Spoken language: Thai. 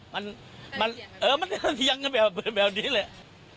มันยังเป็นแบบนี้เลย